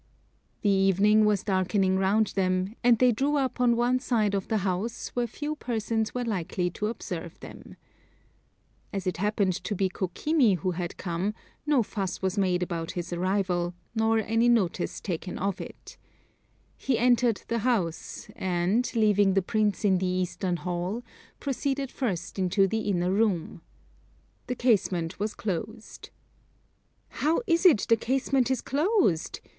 The evening was darkening round them, and they drew up on one side of the house, where few persons were likely to observe them. As it happened to be Kokimi who had come, no fuss was made about his arrival, nor any notice taken of it. He entered the house; and, leaving the Prince in the Eastern Hall, proceeded first into the inner room. The casement was closed. "How is it the casement is closed?"